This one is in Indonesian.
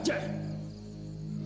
tidak pak man